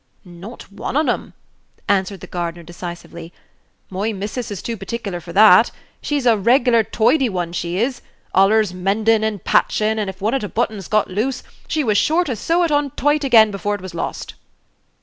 "Not one on 'em," answered the gardener, decisively. "My missus is too particular for that. She's a reg'lar toidy one, she is; allers mendin' and patchin'; and if one of t' buttons got loose, she was sure to sew it on toight again before it was lost."